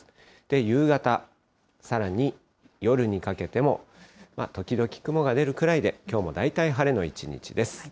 夕方、さらに夜にかけても時々、雲が出るくらいで、きょうも大体晴れの一日です。